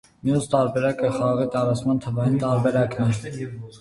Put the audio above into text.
Մյուս տարբերակը խաղի տարածման, թվային տարածումն է։